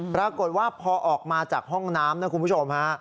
ปรากฏว่าพอออกมาจากห้องน้ำนะคุณผู้ชมฮะ